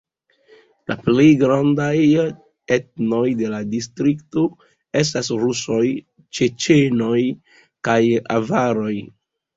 La plej grandaj etnoj de la distrikto estas rusoj, ĉeĉenoj kaj avaroj.